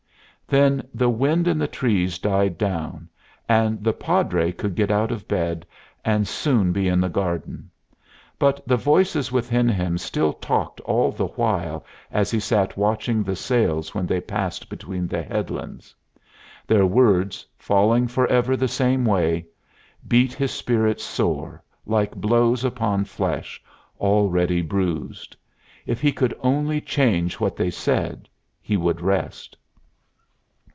Then the wind in the trees died down, and the Padre could get out of bed, and soon be in the garden. But the voices within him still talked all the while as he sat watching the sails when they passed between the headlands. Their words, falling for ever the same way, beat his spirit sore, like blows upon flesh already bruised. If he could only change what they said, he would rest.